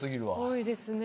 多いですね。